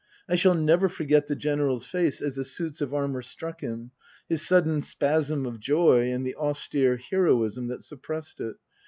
I shall never forget the General's face as the suits of armour struck him his sudden spasm of joy and the austere heroism that suppressed it.